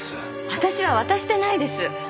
私は渡してないです！